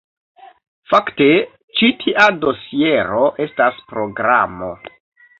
Fakte ĉi tia dosiero estas programo.